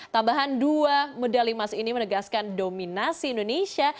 tambahan dua medali emas ini menegaskan dominasi indonesia